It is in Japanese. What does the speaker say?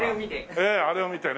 ええあれを見てね。